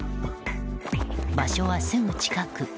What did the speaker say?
場所はすぐ近く。